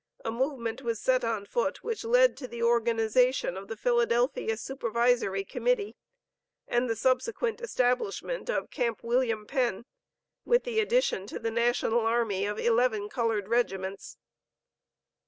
a movement was set on foot which led to the organization of the Philadelphia Supervisory Committee, and the subsequent establishment of Camp William Penn, with the addition to the national army, of eleven colored regiments.